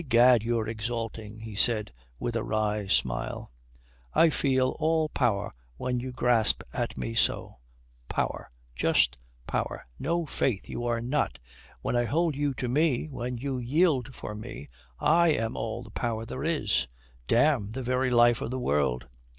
"Egad, you're exalting," he said with a wry smile. "I feel all power when you grasp at me so power just power." "No, faith, you are not. When I hold you to me, when you yield for me, I am all the power there is. Damme, the very life of the world."